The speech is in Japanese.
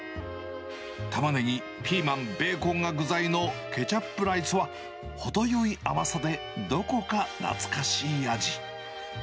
タマネギ、ピーマン、ベーコンが具材のケチャップライスは、程よい甘さでどこか懐かしい味。